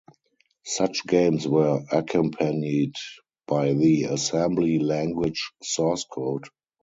Such games were accompanied by the assembly language source code.